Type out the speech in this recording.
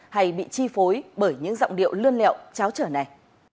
hay bị chi phối bởi những giọng điệu lươn liệu cháo trở này